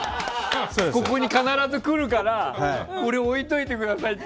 ここに必ず来るからこれ、置いといてくださいって